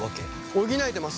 補えてます。